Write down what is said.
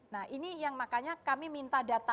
nah ini yang makanya kami minta data